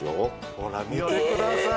ほら見てください！